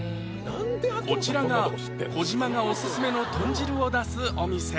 こちらが小島がオススメのとん汁を出すお店